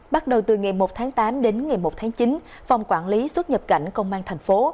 bắt đầu từ ngày một tháng tám đến ngày một tháng chín phòng quản lý xuất nhập cảnh công an thành phố